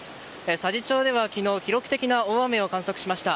佐治町では昨日記録的な大雨を観測しました。